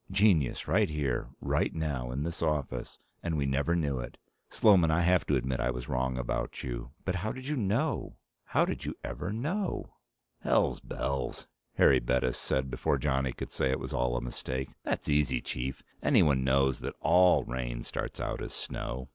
Genius, right here, right now, in this office, and we never knew it. Sloman, I have to admit I was wrong about you. But how did you know? How did you ever know?" "Hell's bells," Harry Bettis said before Johnny could say it was all a mistake. "That's easy, Chief. Anyone knows that all rain starts out as snow.